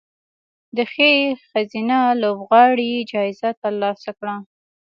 د ښې ښځینه لوبغاړې جایزه ترلاسه کړه